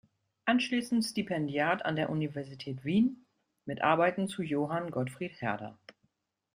Anschließend Stipendiat an der Universität Wien mit Arbeiten zu Johann Gottfried Herder.